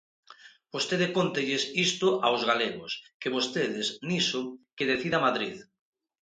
Vostede cóntelles isto aos galegos, que vostedes, niso, que decida Madrid.